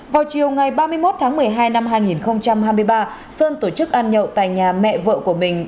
vào chiều ngày ba mươi một tháng một mươi hai năm hai nghìn hai mươi ba sơn tổ chức ăn nhậu tại nhà mẹ vợ của mình